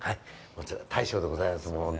こちら、大将でございます。